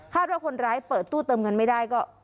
ว่าคนร้ายเปิดตู้เติมเงินไม่ได้ก็